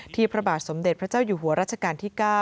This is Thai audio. พระบาทสมเด็จพระเจ้าอยู่หัวรัชกาลที่๙